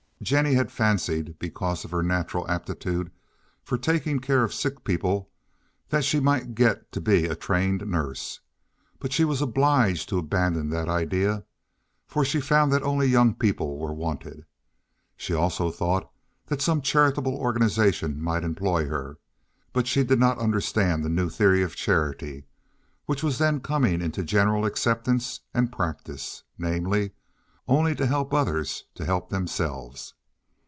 Jennie had fancied, because of her natural aptitude for taking care of sick people, that she might get to be a trained nurse. But she was obliged to abandon that idea, for she found that only young people were wanted. She also thought that some charitable organization might employ her, but she did not understand the new theory of charity which was then coming into general acceptance and practice—namely, only to help others to help themselves.